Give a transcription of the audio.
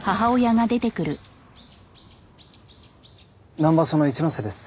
南葉署の一ノ瀬です。